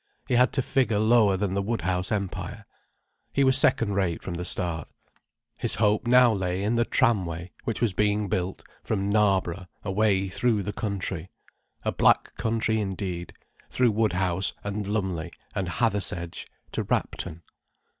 He had to figure lower than the Woodhouse Empire. He was second rate from the start. His hope now lay in the tramway which was being built from Knarborough away through the country—a black country indeed—through Woodhouse and Lumley and Hathersedge, to Rapton.